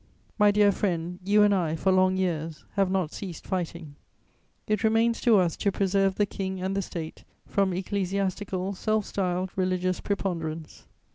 "My dear friend, you and I, for long years, have not ceased fighting. It remains to us to preserve the King and the State from ecclesiastical, self styled religious preponderance.